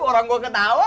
orang gua ketawa